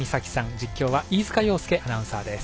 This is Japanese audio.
実況は飯塚洋介アナウンサーです。